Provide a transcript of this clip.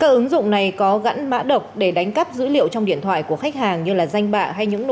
các ứng dụng này có gãn mã độc để đánh cắp dữ liệu trong điện thoại của khách hàng như danh bạc hay những